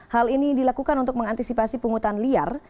hal ini dilakukan untuk mengantisipasi penghutan liar